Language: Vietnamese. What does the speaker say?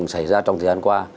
xảy ra trong thời gian qua